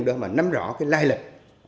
để mà nắm rõ cái lai lịch